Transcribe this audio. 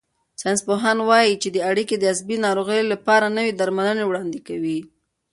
ساینسپوهان وايي چې دا اړیکه د عصبي ناروغیو لپاره نوي درملنې وړاندې کوي.